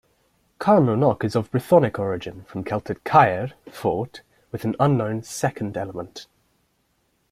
Carmunnock is of Brythonic origin, from Celtic "caer" "fort" with an unknown second element.